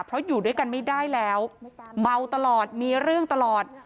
เพราะอยู่ด้วยกันไม่ได้แล้วเมาตลอดมีเรื่องตลอด